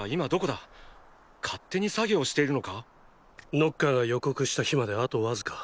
ノッカーが予告した日まであとわずか。